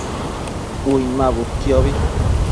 Uinmabudquiobi